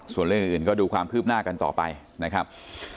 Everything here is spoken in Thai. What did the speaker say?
ส่วนเรื่องอื่นก็ดูความคืบหน้ากันต่อไปนะครับ